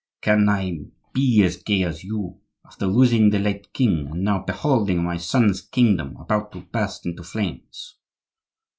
"Can I be as gay as you, after losing the late king, and now beholding my son's kingdom about to burst into flames?"